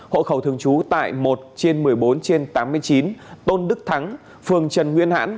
hộ khẩu thường trú tại một trên một mươi bốn trên tám mươi chín tôn đức thắng phường trần nguyên hãn